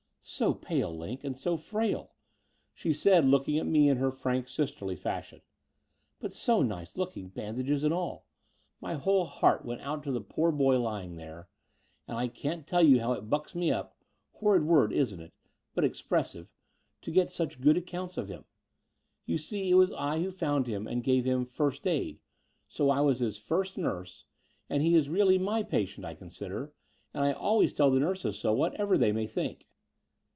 "So pale, Line, and so frail," she said, looking at me in her frank sisterly fashion, "but so nice looking, bandages and all. My whole heart went out to the poor boy lying there: and I can't tell you how it bucks me up — ^horrid word, isn't it, but expressive — ^to get such good accounts of him. You see, it was I who found him and gave him 'first aid': so I was his first nurse, and he is really my patient, I consider, and I always tell the nurses so, whatever they may think!